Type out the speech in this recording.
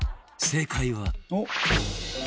正解は